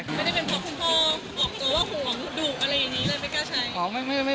ไม่ได้เป็นเพราะคุณพ่อออกตัวว่าห่วงดุอะไรอย่างนี้เลยไม่กล้าใช้